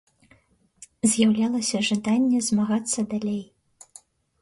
З'яўлялася жаданне змагацца далей.